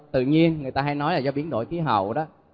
tự nhiên người ta hay nói là do biến đổi khí hậu đó